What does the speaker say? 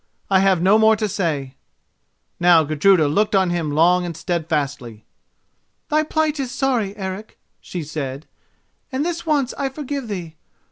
I have no more to say." Now Gudruda looked on him long and steadfastly. "Thy plight is sorry, Eric," she said, "and this once I forgive thee.